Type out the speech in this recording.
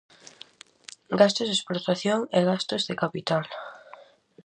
Gastos de explotación e gastos de capital.